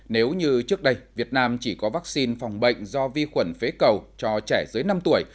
nếu như trước đây việt nam chỉ có vaccine phòng bệnh do vi khuẩn phế cầu cho trẻ dưới năm tuổi